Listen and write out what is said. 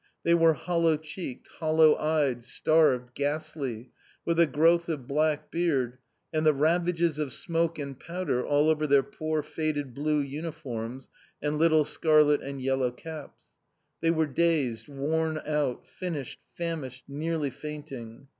They were hollow cheeked, hollow eyed, starved, ghastly, with a growth of black beard, and the ravages of smoke and powder all over their poor faded blue uniforms and little scarlet and yellow caps. They were dazed, worn out, finished, famished, nearly fainting.